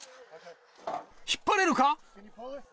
引っ張れるか？